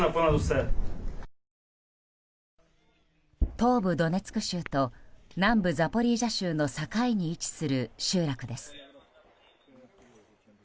東部ドネツク州と南部ザポリージャ州の境に位置する集落です。